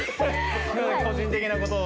個人的なことを。